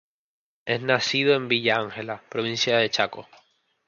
Es nacido en Villa Ángela; Provincia del Chaco.